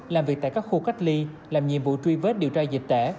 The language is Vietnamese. làm việc tại các khu cách ly làm nhiệm vụ truy bếp điều tra dịch tẻ